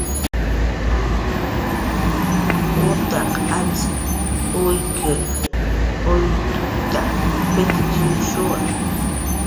Utaq anz uykir uyukta, pijchnushuwa